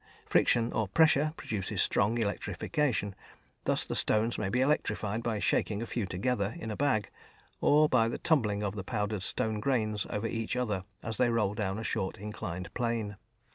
Friction or pressure produces strong electrification; thus the stones may be electrified by shaking a few together in a bag, or by the tumbling of the powdered stone grains over each other as they roll down a short inclined plane.